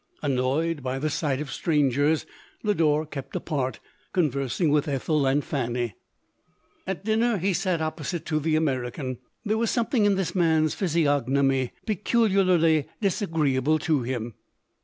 Annoyed by the sight of strangers, Lodore kept apart, conversing with Ethel and Fanny. At dinner he sat opposite to the American. There was something in this man's physiog nomy peculiarly disagreeable to him.